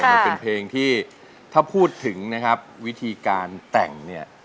มันเป็นเพลงที่ถ้าพูดถึงนะครับวิธีการแต่งเนี่ย